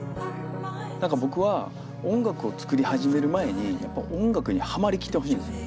何か僕は音楽を作り始める前に音楽にハマりきってほしいんですよ。